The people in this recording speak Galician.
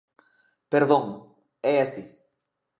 Perdón, é así.